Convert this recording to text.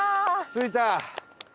着いた！